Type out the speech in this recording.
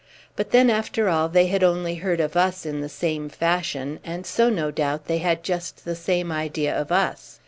But then, after all, they had only heard of us in the same fashion, and so, no doubt, they had just the same idea of us.